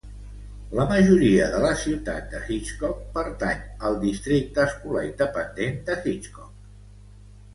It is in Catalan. La majoria de la ciutat de Hitchcock pertany al districte escolar independent de Hitchcock.